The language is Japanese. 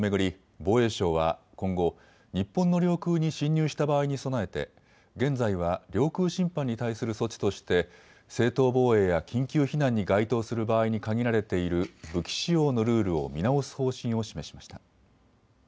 防衛省は今後、日本の領空に侵入した場合に備えて現在は領空侵犯に対する措置として正当防衛や緊急避難に該当する場合に限られている武器使用のルールを見直す方針を示しました。